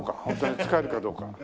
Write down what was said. ホントに使えるかどうか。